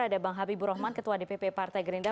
ada bang habiburohman ketua dpp partai gerindah